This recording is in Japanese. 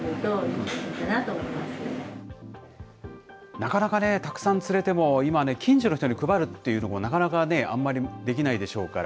なかなかね、たくさん釣れても今ね、近所の人に配るっていうのもなかなかね、あんまりできないでしょうから。